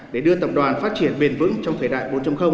để đưa tập đoàn phát triển bền vững trong thời đại bốn